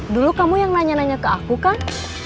dulu kamu yang nanya nanya ke aku kang